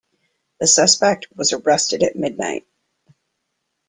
The suspect was arrested at midnight